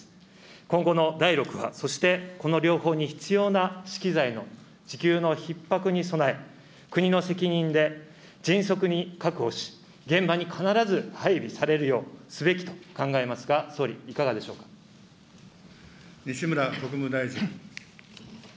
今後の第６波、そしてこの両方に必要な、資器材の支給のひっ迫に備え、国の責任で迅速に確保し、現場に必ず配備されるようすべきと考えますが、西村国務大臣。